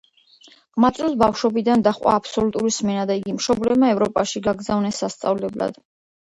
ყმაწვილს ბავშვობიდან დაჰყვა აბსოლუტური სმენა და იგი მშობლებმა ევროპაში გაგზავნეს სასწავლებლად.